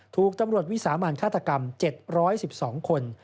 ถูกตำรวจวิสามันฆาตกรรม๗๑๒คน